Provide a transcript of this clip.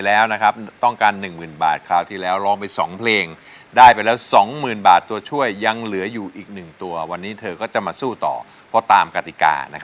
อรับคลักยุนเจียวก่อน